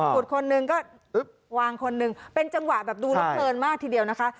คนนึงก็วางคนหนึ่งเป็นจังหวะแบบดูแล้วเพลินมากทีเดียวนะคะ